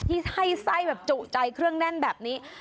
ที่ให้ไส้จู่ใจเครื่องเน้นแบบนี้